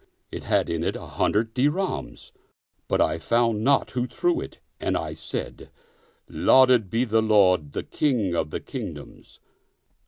it had in it an hundred dirhams, but I found not who threw it and I said, " Lauded be the Lord, the King of the Kingdoms